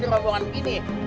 dengan hubungan begini